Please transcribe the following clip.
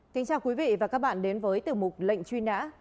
kính chào quý vị và các bạn đến với tiểu mục lệnh truy nã